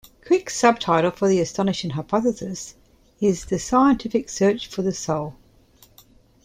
Crick's subtitle for "The Astonishing Hypothesis" is "The Scientific Search For The Soul".